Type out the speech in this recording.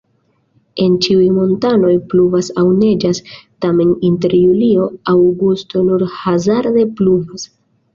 En ĉiuj monatoj pluvas aŭ neĝas, tamen inter julio-aŭgusto nur hazarde pluvas.